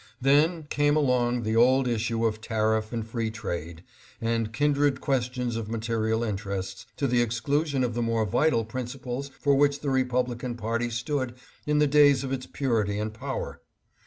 Then came along the old issues of tariff and free trade, and kindred questions of material interests, to the ex clusion of the more vital principles for which the Re publican party stood in the days of its purity and power.